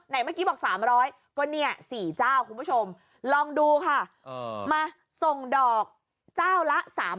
เมื่อกี้บอก๓๐๐ก็เนี่ย๔เจ้าคุณผู้ชมลองดูค่ะมาส่งดอกเจ้าละ๓๐๐